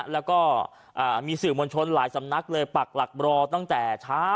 แล้วก็มีสื่อมวลชนหลายสำนักเลยปักหลักรอตั้งแต่เช้า